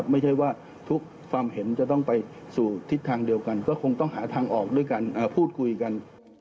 ไม่ใช่ว่าทุกความเห็นจะต้องไปสู่ทิศทางเดียวกันก็คงต้องหาทางออกด้วยกันพูดคุยกัน